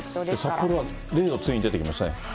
札幌は０度、ついに出てきましたね。